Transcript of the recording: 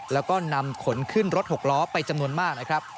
แล้วก็นำขนขึ้นรถหกล้อไปจำนวนมากนะครับ